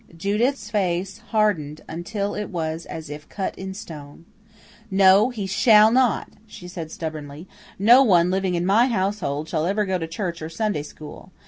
Judith's face hardened until it was as if cut in stone. "No, he shall not," she said stubbornly. "No one living in my household shall ever go to church or Sunday school.